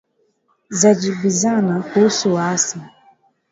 Zajibizana kuhusu waasi